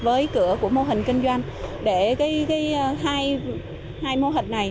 với cửa của mô hình kinh doanh để hai mô hình này